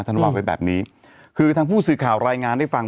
ว่าไว้แบบนี้คือทางผู้สื่อข่าวรายงานให้ฟัง